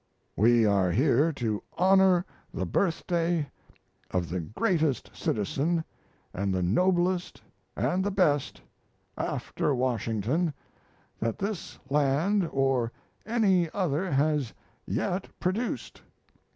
We are here to honor the birthday of the greatest citizen, and the noblest and the best, after Washington, that this land or any other has yet produced.